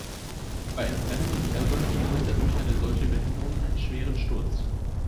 Bei einem Rennen in Melbourne erlitt er durch eine solche Behinderung einen schweren Sturz.